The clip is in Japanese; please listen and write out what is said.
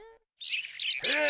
へえ